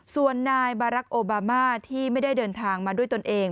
ส่วนนายบารักษ์โอบามาที่ไม่ได้เดินทางมาด้วยตนเอง